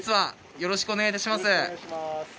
よろしくお願いします。